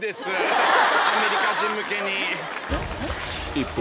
一方